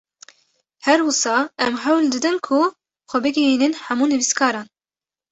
Her wisa em hewl didin ku xwe bigihînin hemû nivîskaran